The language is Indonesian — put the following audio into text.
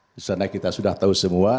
di sana kita sudah tahu semua